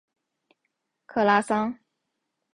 克拉桑。